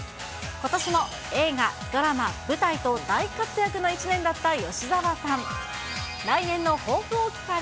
ことしも映画、ドラマ、舞台と、大活躍の一年だった吉沢さん。